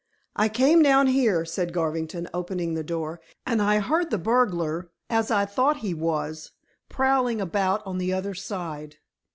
"I came down here," said Garvington, opening the door, "and heard the burglar, as I thought he was, prowling about on the other side.